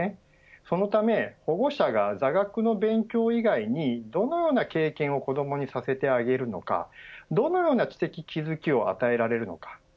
そのため保護者が座学の勉強以外にどのような経験を子どもにさせてあげるのかどのような知的気付きを授けられるのか。